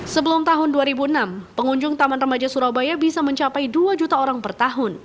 sebelum tahun dua ribu enam pengunjung taman remaja surabaya bisa mencapai dua juta orang per tahun